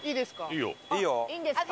いいですか？